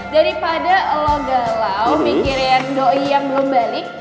daripada lo galau mikirin doai yang belum balik